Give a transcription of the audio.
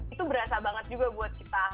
itu berasa banget juga buat kita